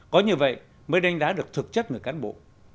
có như vậy mới đánh giá được thực chất người cán bộ